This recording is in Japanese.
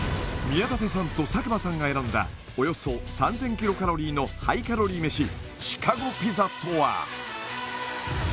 宮舘さんと佐久間さんが選んだおよそ３０００キロカロリーのハイカロリー飯シカゴピザとは？